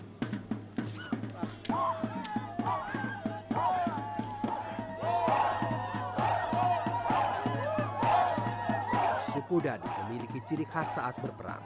tim saling menyerang dan suku dhani memiliki ciri khas saat berperang